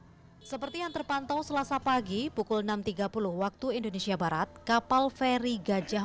hai seperti yang terpantau selasa pagi pukul enam tiga puluh waktu indonesia barat kapal feri gajah